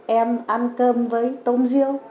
em ăn cơm với tôm riêu